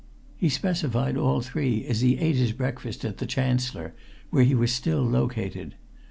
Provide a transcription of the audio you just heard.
He specified all three as he ate his breakfast at the Chancellor, where he was still located.